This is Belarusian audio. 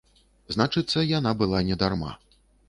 Значыцца яна была не дарма.